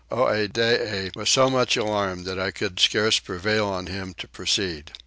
Oedidee was so much alarmed that I could scarce prevail on him to proceed.